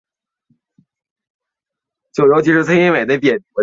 芦名氏的战力因有力家臣金上盛备和佐濑种常等人的战死而受到重大打击。